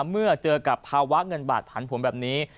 เมื่อเจอกับภาวะเงินบาทผันผวนแบบนี้